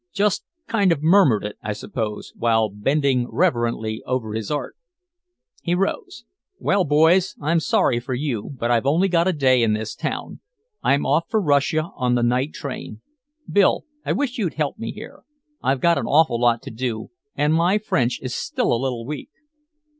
"Just kind of murmured it, I suppose, while bending reverently over his art." He rose. "Well, boys, I'm sorry for you, but I've only got a day in this town, I'm off for Russia on the night train. Bill, I wish you'd help me here. I've got an awful lot to do and my French is still a little weak."